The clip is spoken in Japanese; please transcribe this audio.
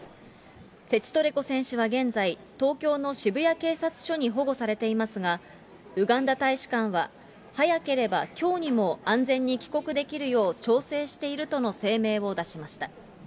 セチトレコ選手は現在、東京の渋谷警察署に保護されていますが、ウガンダ大使館は、早ければきょうにも安全に帰国できるよう、調整しているとの声明を出しました。